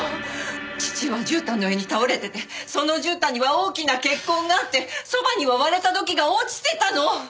義父はじゅうたんの上に倒れててそのじゅうたんには大きな血痕があってそばには割れた土器が落ちてたの！